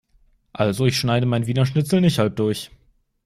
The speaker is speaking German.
Also ich schneide mein Wiener Schnitzel nicht halb durch.